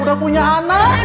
udah punya anak